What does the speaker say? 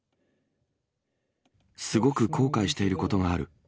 すごく後悔していることがある。